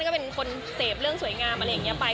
ก็เป็นคนเสพเรื่องสวยงามอะไรอย่างนี้ไป